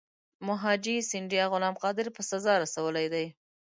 مهاجي سیندیا غلام قادر په سزا رسولی دی.